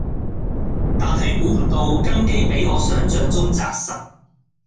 但係估唔到根基比我想像中紮實